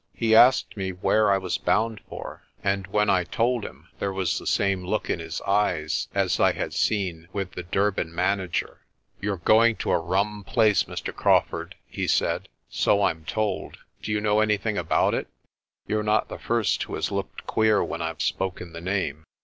He asked me where I was bound for, and when I told him there was the same look in his eyes as I had seen with the Durban manager. FURTH! FORTUNE! 39 "You're going to a rum place, Mr. Crawfurd," he said. "So I'm told. Do you know anything about it? You're not the first who has looked queer when Pve spoken the name."